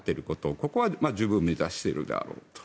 ここは十分満たしているだろうと。